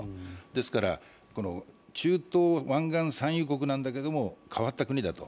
ですから、中東、湾岸産油国なんですけど変わった国だと。